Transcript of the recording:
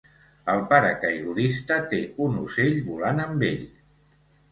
El paracaigudista té un ocell volant amb ell.